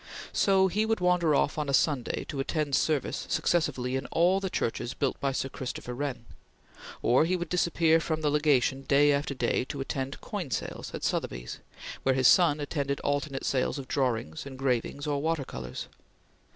So he would wander off on a Sunday to attend service successively in all the city churches built by Sir Christopher Wren; or he would disappear from the Legation day after day to attend coin sales at Sotheby's, where his son attended alternate sales of drawings, engravings, or water colors.